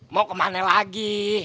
mau kemana lagi